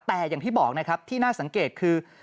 แต่อย่างที่บอกนะครับที่น่าสังเกตคือ